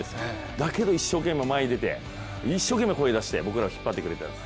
だけど一生懸命、前に出て一生懸命声を出して、僕らを引っ張ってくれてたんです。